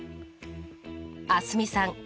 蒼澄さん